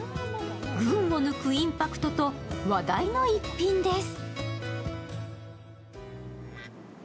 群を抜くインパクトと話題の一品です。